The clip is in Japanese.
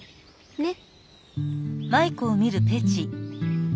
ねっ。